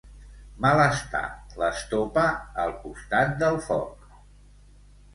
Mal està l'estopa al costat del foc.